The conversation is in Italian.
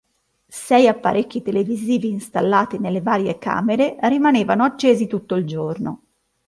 Sei apparecchi televisivi installati nelle varie camere rimanevano accesi tutto il giorno.